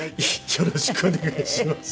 よろしくお願いします！